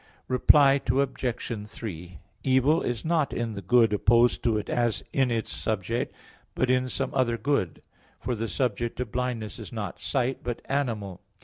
Reply Obj. 3: Evil is not in the good opposed to it as in its subject, but in some other good, for the subject of blindness is not "sight," but "animal."